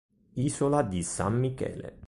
Isola di San Michele